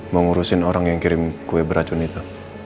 mau ngurusin orang yang kirim kue beracun itu